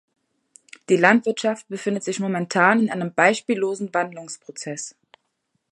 Die Landwirtschaft befindet sich momentan in einem beispiellosen Wandlungsprozess.